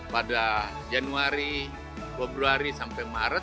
pada januari februari sampai maret